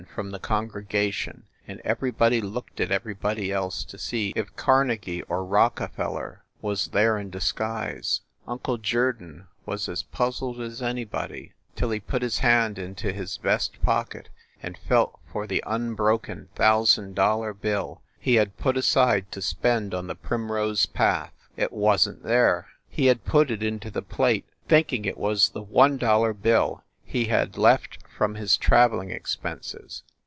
from the congregation, and everybody looked at everybody else to see if Carnegie or Rock efeller was there in disguise. Uncle Jerdon was as puzzled as anybody, till he put his hand into his vest pocket and felt for the unbroken thousand dollar bill he had put aside to spend on the primrose path. It wasn t there ! He had put it into the plate, think ing it was the one dollar bill he had left from his traveling expenses.